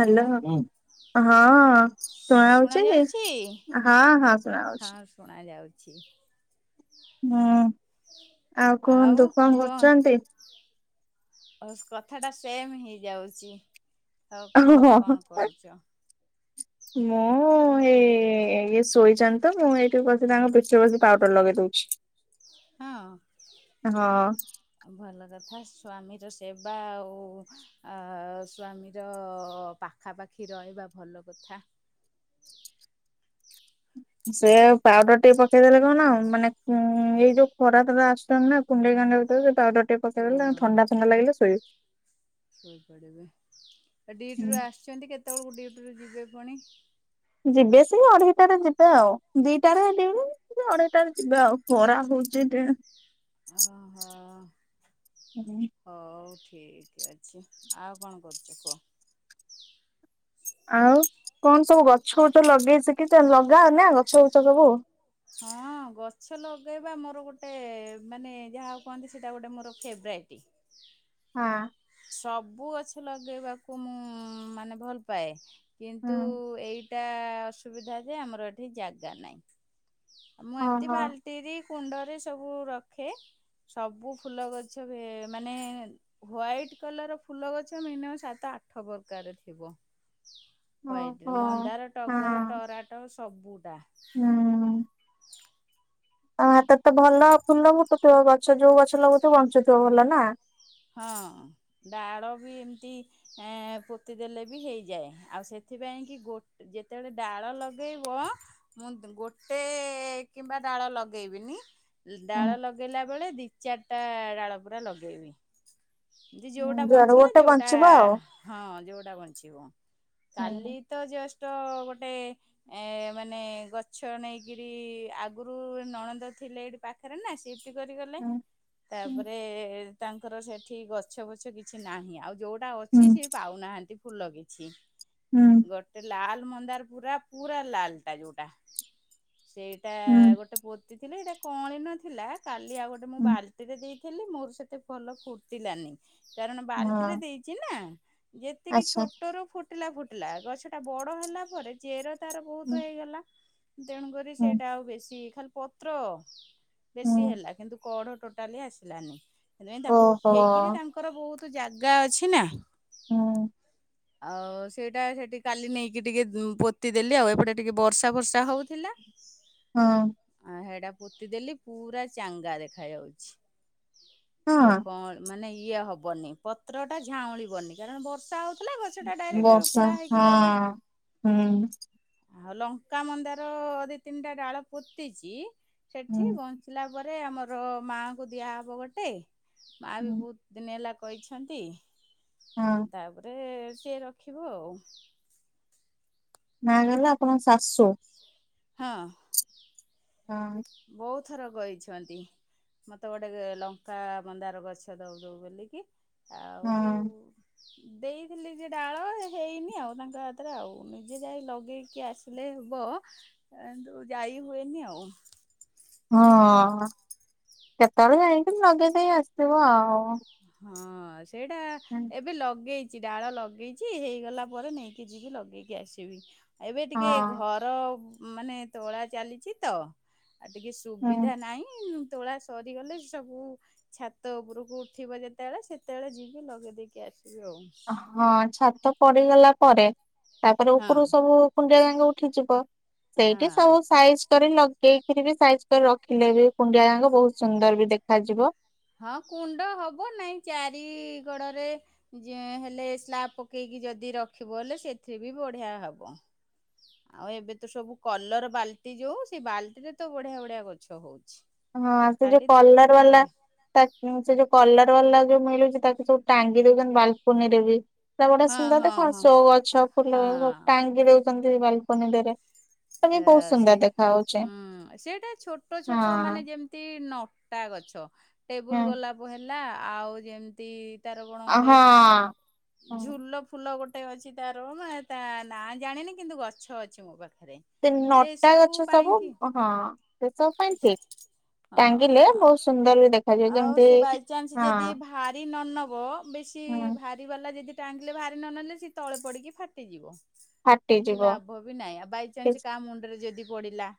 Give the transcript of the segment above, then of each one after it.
Hello ହଁ। ଶୁଣା ହଉଛିହଁ ହଁ ଶୁଣା ହଉଛି। ଶୁଣାଯାଉଛି। ହୁଁ ଆଉ କଣ ଦୁଃଖ କରୁଛନ୍ତି? କଥା ଟା ସେମ୍ ହେଇ ଯାଉଛି ଆଉ କୁହ କଣ କରୁଛ? ହୁଁ [inaudible] ମୁଁ ଏଇ ଇଏ ଶୋଇଛନ୍ତି ତ ମୁଁ ଏଇଠି ବସି ତାଙ୍କ ପଠି ରେ ପାଉଡର ଲଗେଇ ଦଉଛି। ହଁ। ହଁ ଭଲ କଥା ସ୍ୱାମୀର ସେବା ଆଉ ସ୍ଵାମୀର ପା ପାଖାପାଖି ରହିବା ଭଲ କଥା। ସେ ପାଉଡର ଟିକେ ପକେଇଦେଲେ କଣ ଆଉ ମାନେ ଉ ଏଇ ଯୋଉ ଖରା ତରାରେ ଆସୁଛନ୍ତି ନା। କୁଣ୍ଡେଇ କାଣ୍ଡେଇ ହୋଉଥିଲେ ପାଉଡର ଟିକେ ପକେଇ ଦେଲେ ହଁ ଥଣ୍ଡା ଥଣ୍ଡା ଲାଗିଲେ ଶୋଇବେ। ଶୋଇପଡିବେ ଡିଟିରୁୁ ଆସିଛନ୍ତି କେତେବେଳକୁ ଡିଟିରୁୁ ଯିବେ ପୁଣି? ଯିବେ ସେଇ ଅଢେଇଟାରେ ଯିବେ ଆଉ ଦିଟାରେଉ ଅଢେଇଟାରେ ଯିବେ ଆଉ ଖରା ହଉଛି ଯେ। ଓହୋ। ହୁଁ। ହଉ ଠିକ୍ ଅଛି ଆଉ କଣ କରୁଛ କୁହ? ଆଉ କଣ ସବୁ ଗଛ ଫଛ ଲଗେଇ ଶିଖିଛ ଛି କି ଲଗା ନା ଗଛ ଫଛ ସବୁ? ହଁ ଗଛ ଲଗେଇବା ମୋର ଗୋଟେ ମାନେ ଯାହାହଉ କୁହନ୍ତି ସେଇଟା ଗୋଟେ ମୋର ଫେଭରାଇଟି। ହଁ। ସବୁ ଗଛ ଲଗେଇବାକୁ ମୁଁ ମାନେ ଭଲ ପାଏ। କିନ୍ତୁ ହୁଁ ଏଇଟା ଅସୁବିଧା ଯେ ଆମର ଏଠି ଜାଗା ନାହିଁ। ଆ ମୁଁ ଏମିତି ଓହୋ ବାଲ୍ଟିରେ କୁଣ୍ଡରେ ସବୁ ରଖେ। ସବୁ ଫୁଲ ଗଛ ହୁଏ ମାନେ ୱାଇଟ୍ କଲର ଫୁଲ ଗଛ ମିନିଅମ ସାତ ଆଠ ପ୍ରକାର ଥିବ। ହ୍ୱାଇଟରେ ଓହୋ ମନ୍ଦାର ଟଗର ହଁ। ଟରାଟ ସବୁଟା। ଆଉ ହାତରେ ତ ଭଲ ଫୁଲ ଫୁଟୁଥିବ ଗଛ ଯୋଉ ଗଛ ଲଗୁଥିବ ବଞ୍ଚୁଥିବ ଭଲ ନା? ହଁ ଡାଳ ବି ଏମିତି - ଏ ପୋତି ଦେଲେ ବି ହେଇଯାଏ ଆଉ ସେଥିପାଇଁ କି ଗୋ ଯେତେବେଳେ ଡାଳ ଲଗେଇବ ମୁଁ ଗୋଟେ କିମ୍ବା ଡାଳ ଲଗେଇବିନି। ହୁଁ ଡାଳ ଲଗେଇଲା ବେଳେ ଦି ଚାରିଟା ଡାଳ ପୁରା ଲଗେଇବି। ଯୋଉଟା ଯୁଆଡୁ ବଞ୍ଚିଲା ଗୋଟେ ଯୋଉଟା ବଞ୍ଚିବ ଆଉ। ହଁ ଯୋଉଟା ବଞ୍ଚିବ। ହୁଁ କାଲି ତ ଜଷ୍ଟ ଗୋଟେ ଏ ମାନେ ଗଛ ନେଇକିରି ଆଗରୁ ନଣନ୍ଦ ଥିଲେ ଏଠି ପାଖରେ ନା ସିଫଟି କରିଗଲେ ହୁଁ ତାପରେ ତାଙ୍କର ସେଠି ସେ ଗଛ ବଛ କିଛି ନାହିଁ ଆଉ ଯୋଉଟା ହୁଁ ଅଛି ସେ ପାଉନାହାନ୍ତି ଫୁଲ କିଛି। ହୁଁ। ଗୋଟେ ଲାଲ ମନ୍ଦାର ପୁରା ପୁରା ଲାଲଟା ଯୋଉଟା ସେଇ - ଏଟା ହୁଁ ଗୋଟେ ପୋତି ଥିଲି ଏଇଟା କଳି ନଥିଲା କାଲି ଆଉ ଗୋଟେ ମୁଁ ହୁଁ ବାଲ୍ଟିରେ ଦେଇ ମୋର ସେତେ ଭଲ ଫୁଟିଲାନି କାରଣ ବାଲ୍ଟିରେ ହଁ ଦେଇଛି ନା। ଯେତିକି ଆଚ୍ଛା ଛୋଟରୁ ଫୁଟିଲା ଫୁଟିଲା ଗଛ ଟା ବଡ ହେଲା ପରେ ଚେର ତାର ହୁଁ ବହୁତ ହେଇଗଲା ତେଣୁକରି ହୁଁ ସେଇଟା ଆଉ ବେଶୀ ଖାଲି ପତ୍ର ବେଶୀ ହୁଁ ହେଲା କିନ୍ତୁ କଢ ଟୋଟାଲି ଆସିଲାନି ସେଇତି ପାଇ ତାକୁ ଓହୋ ଉଠେଇକିରି ତା ତାଙ୍କର ବହୁତ ଜାଗା ଅଛି ନା। ହୁଁ। ଆଉ ସେଇଟା ସେଠି କାଲି ନେଇକି ଟିକେ ପୋତିଦେଲି ଆଉ ଏପଟେ ଟିକେ ବର୍ଷା ଫର୍ଷା ହୋଉଥିଲା। ହଁ। ଆ ହେଡା ପୋତି ଦେଲି ପୁରା ଚାଙ୍ଗା ଦେଖା ଯାଉଛି। ହଁ। ହଁ ମାନେ ଇଏ ହବନି ପତ୍ର ଟା ଝାଉଁଳିବନି କାରଣ ବର୍ଷା ହଉ ଥିଲା ଗଛ ଟା ଡାଇରେକ୍ଟ ବର୍ଷା ଉପୁଡା ହେଇକି ଗଲା। ହଁ ହୁଁ ଆଉ ଲଙ୍କା ମନ୍ଦାର ଦି ତିନିଟା ଡାଳ ପୋତିଛି ହୁଁ ସେଠି ଫୁଟିଲା ପରେ ଆମର ମାଆଙ୍କୁ ଦିଆହବ ଗୋଟେ। ମା ବି ହୁଁ ବହୁତ ଦିନ ହେଲା କହିଛନ୍ତି ହଁ। ତାପରେ ତାପରେ ସିଏ ରଖିବ ଆଉ। ମା ମାନେ ଆପଣଙ୍କ ଶାଶୁ। ହଁ। ଓହ। ବହୁତଥର କହିଁଛନ୍ତି। ମତେ ଗୋଟେ ଲଙ୍କା ମନ୍ଦାର ଗଛ ଦବୁ ଦବୁ ବୋଲିକି ହଁ ଆଉ ଦେଇଥିଲି ଯେ ଡାଳ ହେଇନି ଆଉ ତାଙ୍କ ହାତରେ ଆଉ ନିଜେ ଯାଇ ଲଗେଇକି ଆସି ହେଲେ ହବ କିନ୍ତୁ ଯାଇ ହୁଏନି ଆଉ। ହଁ କେତେବେଳୁ ଜାଇଁକି ଲଗେଇ ଦେଇେଇ ଆସିଥିବ ଆଉ। ହଁ ସେଇଟା ଏବେ ଲଗେଇଛି। ଛି ଡାଳ ଲଗେଇଛିି ହେଇଗଲା ପରେ ନେଇକି ଯିବି ଲଗେଇକି ଆସିବି ଏବେ ଟିକେ ଘ ହଁ ଘର ମାନେ ତୋଳା ଚାଲିଛି ତ ଆଉ ଟିକେ ହୁଁ ସୁବିଧା ନାହିଁ ତୋଳା ସରିଗଲେ ସବୁ ଛାତ ଉପରକୁ ଉଠିବ ଯେତେ ବେଳେ ସେତେ ବେଳେ ଯିବି ଲଗେଇ ଦେଇକି ଆସିବି ଆଉ। ହଁ ଛାତ ପଡିଗଲା ପରେ ତାପରେ ହଁ ଉପରୁ ସବୁ କୁଣ୍ଡିଆ ଯାଙ୍ଗ ଉଠିଯିବ ସେଇଠି ହଁ ସବୁ ସାଇଜ ଛାତରେ ଲଗେଇକିରି ବି ସାଇଜ କରି ରଖିଲେ ବି କୁଣ୍ଡିଆ ଯାକ ବହୁତ ସୁନ୍ଦର ବି ଦେଖାଯିବ। ହଁ କୁଣ୍ଡ ହବ ନାଇଁ ଚାରିଗଡରେ ଯେ ହେଲେ ସ୍ଲାବ ପକେଇକି ଯଦି ରଖିବ ହେଲେ ସେଥିରେ ବି ବଢିଆ ହବ। ଆଉ ଏବେ ତ ସବୁ କଲର ବାଲ୍ଟି ଯୋଉ ସେ ବାଲ୍ଟିରେ ତ ବଢିଆ ବଢିଆ ଗଛ ହଉଛି। ହଁ ସେ ଯୋଉ ଖାଲି ତାକୁ କଲର ବାଲା ଖାଲି ତା ସେ ଯୋଉ କଲର ବାଲା ଯୋଉ ମିଳୁଛି ତାକୁ ସବୁ ଟାଙ୍ଗି ଦଉଛନ୍ତି ବାଲକୁନିରେ ବି। ସେ ଗୁଡା ହଁ ସୁନ୍ଦର ହଁ ଦେଖା ହଁ ସୋ ଗଛ ଫୁଲ ସବୁ ହଁ ଟାଙ୍କି ଦେଉଛନ୍ତି ବାଲକୋନିଡେ ରେ। ଏ ସେ ହୁଁ ସେଟା ଛୋଟ ଛୋଟ ମାନେ ହଁ ଯେମିତି ନ ଲତା ଗଛ ହୁଁ ଟେବୁଲ ଗୋଲାପ ହେଲା ଆଉ ଯେମିତି ତାର କଣ ଗୋଟେ ହଁ। ହଁ। ଝୁଲ ଫୁଲ ଗୋଟ ଗୋଟେ ଅଛି ତାର ନାଁ ତା ନାଁ ଜାଣିନି କିନ୍ତୁ ଗଛ ଅଛି ମୋ ପାଖରେ। ସେ ନଟା ଗଛ ସବୁ ହଁ ସେ ସବୁ ପାଇଁ ଠିକ୍। ହଁ ଦେଖାଯିବ ଆଉ ଯେମିତି ସେ ବାଇଚନ୍ସ ହଁ ଯଦି ଭାରି ନ ନବ ବେଶୀ ହୁଁ ଭାର ବାଲ୍ଟି ବାଲା ଯଦି ଟାଙ୍ଗିଲେ ବାହାରି ନ ନେଲେ ସି ତଳେ ପଡିକି ଫାଟିଯିବ କିଛି ଫାଟିଯିବ ଲାଭ ଲାଭ ବି ନାହିଁ ହୁଁ ବାଇଚନ୍ସ କାହା ମୁଣ୍ଡରେ ଯଦି ପଡିଲା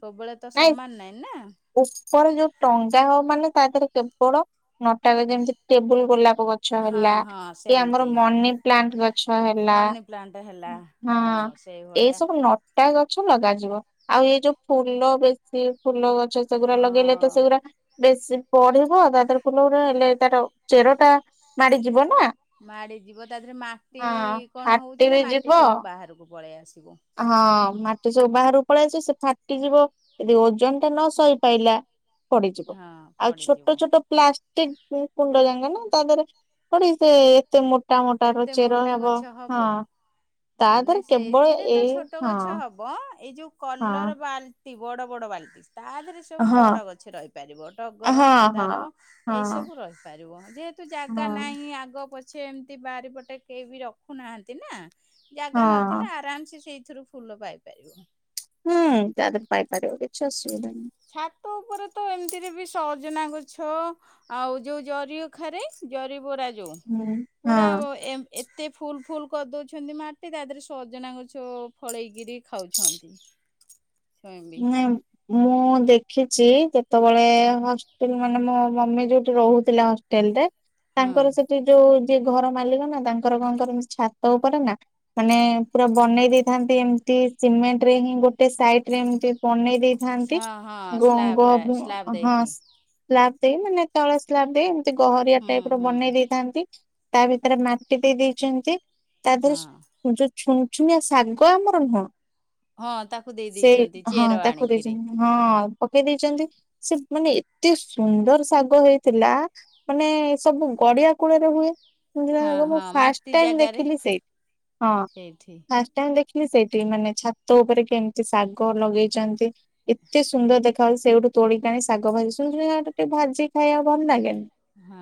ସବୁବେଳେ ତ ସମାନ ନାହିଁ ନା। ଉପରେ ଯୋଉ ଟଙ୍ଗା ହବ ମାନେ ତା ଦେହରେ କେବଳ ନଟା ଗଛ ଯେମତି ଟେବୁଲ ଗୋଲାପ ଗଛ ହଁ ହେଲା ହଁ କି ଆମର ସେମିତି ମନି ପ୍ଲାଣ୍ଟ ଗଛ ହେଲା ମନି ପ୍ଲାଣ୍ଟ ହେଲା ହଁ ସେଇଭଳିଆ ଏସବୁ ନ ନଟା ଗଛ ଲଗାଯିବ ଆଉ ଏ ଯୋଉ ଫୁଲ ବେଶୀ ଫୁଲ ଗ ସେଗୁରା ହଁ ଲଗେଇଲେ ତ ସେଗୁରା ବେଶୀ ପଢିବ ତା ତିରେ ଫୁଲଗୁରା ହେଲେ ତାର ଚେର ଟା ମାଡିଯିବ ନା। ମାଡି ଯିବ ତା ଦେହେରେ ମାଟି ହଁ କଣ ଫାଟି ହଉଚି ବି ନା ଯିବ ମାଟି ସବୁ ବାହାରକୁ ପଳେଇ ଆସିବ। ହଁ ମାଟି ସବୁ ବାହାରୁକୁ ପଳେଇ ଆସିବ ସେ ଫାଟିଯିବ। ଯଦି ଓଜନ ଟା ନ ସହି ପାଇଲା ପଡିଯିବ ହଁ ଆଉ ଛୋଟ ପଡିଯିବ ଛୋଟ ପ୍ଲାଷ୍ଟିକ କୁଣ୍ଡ ଜାଙ୍କ ନା ତା ଦେହରେ ପଡିସେ ଏତେ ମୋ ଟା ମୋଟା ର ଏତେ ଚେର ମୋଟା ହେବ ଗଛ ହଁ ହବ। ତା ଦେରେ କେବଳ ଏ ତେ ଛୋଟ ଗଛ ହବ ଏଇ ଯୋଉ ହଁ। କଲର ବାଲ୍ଟି ବଡ ବଡ ବାଲଟି ତା ଦେହେରେ ସେ ସବୁ ହଁ ବଡ ଗଛ ରହିପାରିବ ଟଗର ହଁ ମନ୍ଦାର ହଁ ଏଇ ହଁ ସବୁ ରହିପାରିବ ଯେହେତୁ ଜାଗା ହଁ ନାହିଁ ଆଗ ପ ଛେ ଏମ୍ତି ବାରି ପଟେ କେଇବି ରଖୁ ନାହାନ୍ତି ନା। ଜାଗା ହଁ ନଥିଲା ଆରାମ୍ସେ ସେଇଥୁରୁ ଫୁଲ ପାଇପାରିବ। ହୁଁ ତା ଦେରେ ପାଇ ପାରିବ କିଛି ଅସୁବିଧା ନାହିଁ। ଛାତ ଉପରେ ତ ଏମିତିରେ ବି ସଜନା ଗଛ। ଆଉ ଯୋଉ ଜରି ଅଖାରେ ଜରି ବରା ଯୋଉ ହୁଁ ହଁ। ପୁରା ଏ ଏତେ ଫୁଲ୍ ଫୁଲ୍ କରିଦଉଛନ୍ତି ମାଟି ତା ଦେହରେ ସଜନା ଗଛ ଫଳେଇକିରି ଖାଉଛନ୍ତି। [unintelligible] ନାଇଁ ମୁଁ ଦେଖିଚି କେ ତବଳେ ହଷ୍ଟେଲ ମାନେ ମୋ ମମି ଯୋଉଠି ରହୁଥିଲା ହଷ୍ଟେଲ ରେ। ହଁ ତାଙ୍କର ସେଠି ଯୋଉ ଯିଏ ଘର ମାଲିକ ନା ତାଙ୍କର କଣ କରିମି ଛାତ ଉପରେ ନା। ମାନେ ପୁରା ବନେଇ ଦେଇଥାନ୍ତି ଏମିତି ସିମେଣ୍ଟ ରେ ହିଁ ଗୋଟେ ସାଇଡ। ରେ ଏମିତି ବନେଇ ଦେଇଥାନ୍ତି ହଁ ହଁ ସ୍ଲାବଟା ସ୍ଲାବ୍ ଙ୍ଗୋ-ଙ୍ଗୋ-ହଁ। ଦେଇକି ସ୍ଲାଭ ଦେଇ ମାନେ ତଳେ ସ୍ଲାପ୍ ଦେଇ ଏମିତି ଗହରିଆ ହୁଁ ଟାଇପ୍ ର ହୁଁ ବନେଇ ଦେଇଥାନ୍ତି। ତା ଭିତରେ ମାଟି ଦେଇ ଦେଇଛନ୍ତି ତା ହଁ ଦେହରେ ଜ ଛୁନଛୁନିଆ ଶାଗ ଆମର ନୁହଁ? ହଁ ତାକୁ ଦେଇ ସେ ଦେଇେଇଛନ୍ତି ହଁ ଚେର ତାକୁ ଆଣିକିରି। ଦେଇଛନ୍ତି ହଁ ପକେଇ ଦେଇେଇଛନ୍ତି ସେ ମାନେ ଏତେ ସୁନ୍ଦର ଶାଗ ହେଇଥିଲା। ମାନେ ସବୁ ଗଡିଆ କୂଳରେ ହୁଏ। ହଁ ମୁ ହଁ ଫାଷ୍ଟ ମାଟି ଟାଇମ ଜାଗାରେ ଦେଖିଲି ସେଇଠି ହଁ ଫାସ ସେଇଠି ଫାଷ୍ଟ ଟାଇମ ଦେଖିଲି ସେଇଠି ମାନେ ଛାତ ଉପରେ କେମିତି ଶାଗ ଲଗେଇଛନ୍ତି ଏତେ ସୁନ୍ଦର ଦେଖ ଚି ଉ ସେଇଠୁ ତୋଳିକିଆଣି ଶାଗ ଭାଜି ଶୁନୁ ଶୁନିଆ ସାଗଟା ଟିକେ ଭାଜିକି ଖାଇବାକୁ ଭଲ ଲାଗେନି? ହଁ।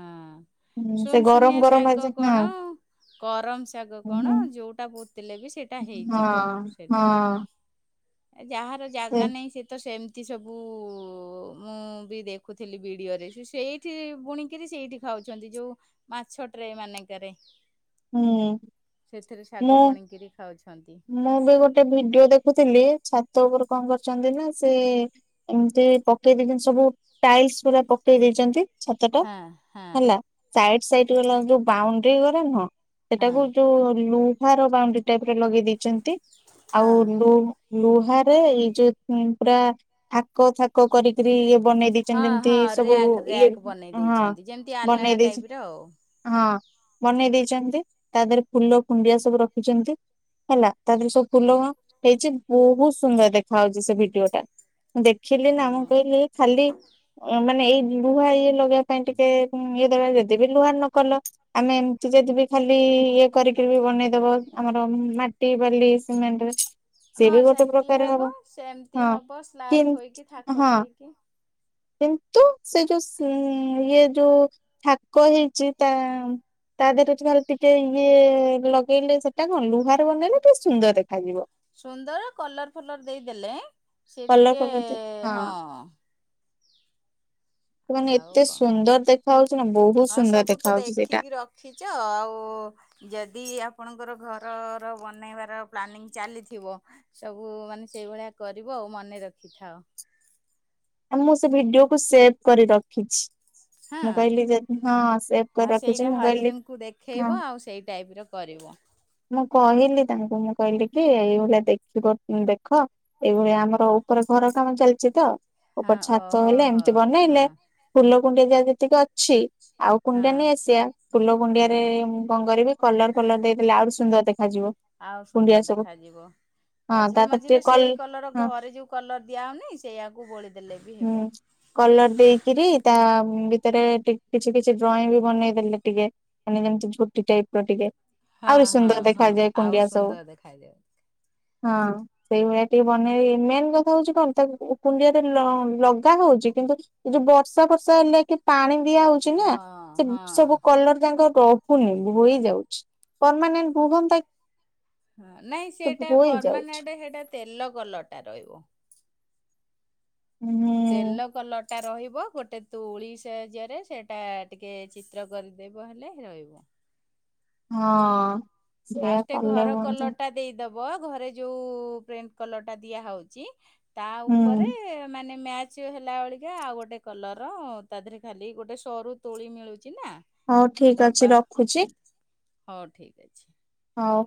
ହୁଁ ସେ ଗରମ ସୁନସୁନିଆ ଗରମ ଶାଗ ଭାଜି କଣ କରମ ଶାଗ ହଁ କଣ ହଁ ଯୋଉଟା ବହୁ ଥିଲେ ବି ସେଇଟା ହେଇଯିବ ହଁ। ସେଠି ହଁ ଯାହାର ଜାଗା ନାହିଁ ସେ ତ ସେମ ସେମତି ସବୁ ମୁଁ ବି ଦେଖୁଥିଲି ବିଡିଓରେ ସେ ସେଇଠି ବୁଣିକିରି ସେଇଠି ଖାଉଛନ୍ତି ଯୋଉ ମାଛଟ୍ରେ ମାନେକେରେ। ହୁଁ ସେଥିରେ ଶାଗ ମୁଁ ବୁଣିକିରି ଖାଉଛନ୍ତି। ମୁଁ ବି ଗୋଟେ ଭିଡିଓ ଦେଖୁଥିଲି ଛାତ ଉପରେ କଣ କରୁଛନ୍ତି ନା ସେ ଏମିତି ପକେଇ ଦେଇଛନ୍ତି ସବୁ ଟାଇଲସ ପୁରା ପକେଇ ଦେଇଛନ୍ତି। ଛାତ ଟା ହଁ ହଁ ହେଲା ସାଇଡ ସାଇଡ ଗଲା ଯୋଉ ବାଉଣ୍ଡରି ଗରା ନୁହଁ ସେଟାକୁ ହଁ। ଯୋଉ ଲୁହାର ବାଉଣ୍ଡରି ଟାଇପର ଲଗେଇ ଦେଇେଇଛନ୍ତି ଆଉ ହଁ। ଲୁ ଲୁହାରେ ଏଇ ଯୋଉ ପୁରା ଥାକ ଥାକ କରିକରି ଇଏ ବନେଇ ଦେଇି ହଁ ଯେମିତି ହଁ ସବୁ ରିୟାକ୍ ଇଏ ରିୟାକ୍ ବନେଇ ହଁ ଦେଇଛନ୍ତି ଯେମିତି ଆଲାଣା ବନେଇ ଦେଇଚି ଟାଇପ୍ ର ଆଉ ହଁ ବନେଇ ଦେଇେଇଛନ୍ତି ତା ଦେହରେ ଫୁଲ କୁଣ୍ଡିଆ ସବୁ ରଖିଛନ୍ତି। ହେଲା ତା ଦେହରେ ସବୁ ହୁଁ। ଫୁଲକଣ ହେଇଛି ବହୁତ ସୁନ୍ଦର ଦେଖା ଯାଉଛି ସେ ଭିଡିଓ ଟା। ଦେଖିଲି ନା ମୁଁ କହିଲି ଖାଲି ମାନେ ଏଇ ଲୁହା ଇଏ ଲ ପାଇଁ ଟିକେ ଇଏ ଦରକାର ଯଦିବିି ଲୁହା ନକଲ ଆମେ ଏମିତି ଯଦି ବି ଖାଲି ଇଏ କରିକି ବି ବନେଇଦବ ଆମର ମା ଟି ବାଲି ସିମେଣ୍ଟ ସେ ହଁ ବି ଗୋଟେ ସେମିତି ପ୍ରକାର ହେବ ହବ ସେମିତି ହଁ ହେବ କି ସ୍ଲାବ୍ ଥୋଇକି ଥାକ ହଁ। ଥୋଇକି। କିନ୍ତୁ ସେ ଯୋଉ ସି ଇଏ ଯୋଉ ଥା କ ହେଇଛି ତା ତା ଦେହରେ ଖା ଟିକେ ଇଏ ଲଗେଇଲେ ସେଟା କଣ ଲୁହା ରେ ବନେଲେ ଟିକେ ସୁନ୍ଦର ଦେଖାଯିବ। ସୁନ୍ଦର କଲର ଫଲର ଦେଇଦେଲେ ସେି କଲର ଟିକେ ଫଲର ଦେ ହଁ। ସେମାନେ ଆଉ ଏତେ କଣ ସୁନ୍ଦର ଦେଖା ହାଉଛି ନା ବହୁତ ହଁ ସୁନ୍ଦର ସବୁ ଦେଖା ତ ହାଉଛି ସେଇଟା ଦେଖିକି ର ଖିଚ ଆଉ। ଯଦି ଆପଣଙ୍କର ଘରର ବନେଇବାର ପ୍ଲାନିଂ ଚାଲିଥିବ ସବୁ ମାନେ ସେଇଭଳିଆ କରିବ ଆଉ ମନେ ରଖିଥାଅ। ମୁଁ ସେ ଭିଡିଓକୁୁ ସେଭ କରି ରଖିଛି। ହଁ ମୁଁ କହିଲି ଯଦି ହଁ ସେଭ କରି ହଁ ରଖୁଛି ସେଇଟା ମୁ କହିଲି ହଜବେଣ୍ଡକୁ ହଁ ଦେଖେଇବ ଆଉ ସେଇ ଟାଇପର କରିବ। ମୁଁ କହିଲି ତାଙ୍କୁ ମୁଁ କହିଲି କି ଏଇଭଳିଆ ଦେଖିବ ଦେଖ ଏଇଭଳିଆ ଆମର ଉପର ଘର କାମ ଚାଲିଛି ତ ଉପର ହଁ ଛାତ ଓହୋ ହେଲେ ହୋ ଏମିତି ହଁ ବନେଇଲେ ଫୁଲ କୁଣ୍ଡିଆ ଯାହା ଯେତିକି ଅଛି ଆଉ କୁଣ୍ଡିଆ ନାଇ ହଁ ଆସିବା ଫୁଲ କୁଣ୍ଡିଆରେ ହଁ ମୁ କଣ କରିବି କଲର ଫଲର ଦେଇଦେଲେ ଆହୁରି ସୁନ୍ଦର ଦେଖାଯିବ। ଆଉରି କୁଣ୍ଡିଆ ସୁନ୍ଦର ସବୁ ଦେଖାଯିବ ହଁ ତା ମଝିରେ ଦେହରେ ଟିକେ ମଝିରେ କଲ ସେଇ କଲର ହଁ ଘରେ ଯୋଉ କଲର ଦିଆ ହଉନି ସେଇଆକୁ ବୋଳି ହୁଁ। କଲର ଦେଇକିରି ତା ଭିତରେ ଟି କିଛି କିଛି ଡ୍ରଇଂ ବି ବନେଇଦେଲେ ଟିକେ ମାନେ ଯେମିତି ଝୋଟି ଟାଇପର ଟିକେ ହଁ ଆହୁରି ହଁ ସୁନ୍ଦର ହଁ ଦେଖାଯାଏ ଆଉ କୁଣ୍ଡିଆ ସବୁ। ସୁନ୍ଦର ଦେଖାଯିବ ହଁ ସେଇଭଳିଆ ଟିକେ ବନେଇ ମେନ୍ କଥା ହଉଛି କଣ ତାକୁ କୁଣ୍ଡିଆରେ ଲଗା ହଉଛି କିନ୍ତୁ ଏ ଯୋଉ ବର୍ଷା ଫର୍ଷା ହେଲେ କି ପାଣି ଦିଆ ହଉଛି ଚିନା ହଁ ସେ ହଁ। ସବୁ କଲର ଯାଙ୍କ ରହୁନି ଧୋଇ ଯାଉଛି ପରମାନେଣ୍ଟ ରୁହନ୍ତାକି। ହଁ ନାଇଁ ସେଟା ଯାଉଛି ପରମାନେଣ୍ଟ ହେଇଟା ତେଲ କଲର ଟା ରହିବ। ହୁଁ ହୁଁ। ତେଲ କଲର ଟା ରହିବ ଗୋଟେ ତୁଳି ସାହାଯ୍ୟରେ ସେଇଟା ଟିକେ ଚିତ୍ର କରିଦେବ ହେଲେ ରହିବ। ହଁ। ସେଇଆ ଫାଷ୍ଟ କଲେ ଘର ହୁଅନ୍ତା କଲରଟା ଦେଇଦବ ଘରେ ଯୋଉ ପ୍ରେଣ୍ଟ କଲର ଟା ଦିଆ ହୋଉଛି। ତା ହୁଁ ଉପରେ ମାନେ ମ୍ୟାଚ ଚି ହେଲା ଭଳିକା ଆଉ ଗୋଟେ କଲରର ତା ଦେହରେ ଖାଲି ଗୋଟେ ସରୁ ତୋଳି ମିଳୁଛି ନା। ହଉ ଏ ଠିକ ଅଛି ଡବା ରଖୁଛି ଏମତି ହୋଉ ଠିକ ଅଛି। ହୋଉ।